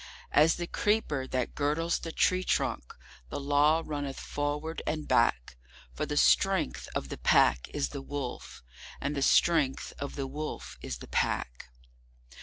As the creeper that girdles the tree trunk the Law runneth forward and back—For the strength of the Pack is the Wolf, and the strength of the Wolf is the Pack.